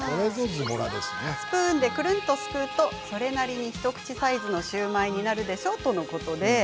スプーンでくるんとすくうとそれなりに、一口サイズのシューマイになるでしょとのこと。